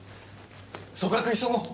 組閣急ごう。